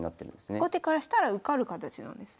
後手からしたら受かる形なんですね。